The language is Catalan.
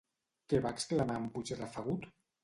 Què va exclamar en Puigrafegut?